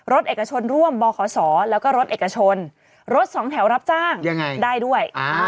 เอกชนร่วมบขศแล้วก็รถเอกชนรถสองแถวรับจ้างได้ด้วย